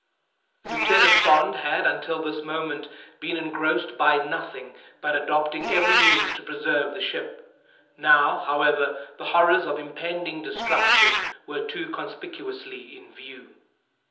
Lieutenant Fond had, until this moment, been engrossed by nothing but adopting every means to preserve the ship; now, however, the horrors of impending destruction were too conspicuously in view.